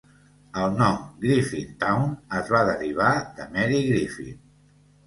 El nom "Griffintown" es va derivar de Mary Griffin.